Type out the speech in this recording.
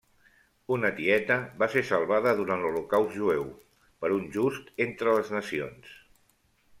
Una tieta va ser salvada durant l'Holocaust jueu per un Just entre les nacions.